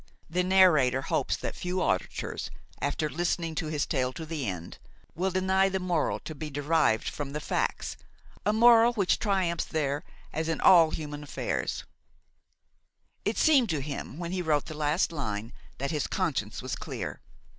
The narrator hopes that few auditors, after listening to his tale to the end, will deny the moral to be derived from the facts, a moral which triumphs there as in all human affairs; it seemed to him, when he wrote the last line, that his conscience was clear.